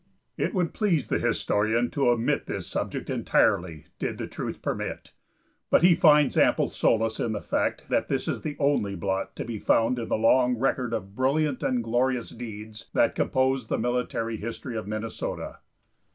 It would please the historian to omit this subject entirely, did truth permit; but he finds ample solace in the fact that this is the only blot to be found in the long record of brilliant and glorious deeds that compose the military history of Minnesota.